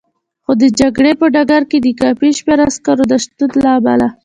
خو د جګړې په ډګر کې د کافي شمېر عسکرو نه شتون له امله.